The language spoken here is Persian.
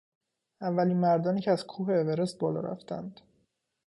اولین مردانی که از کوه اورست بالا رفتند